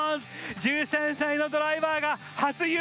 １３歳のドライバーが初優勝を飾りました！